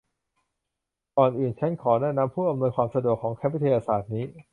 ก่อนอื่น ฉันขอแนะนำผู้อำนวยความสะดวกของแคมป์วิทยาศาสตร์นี้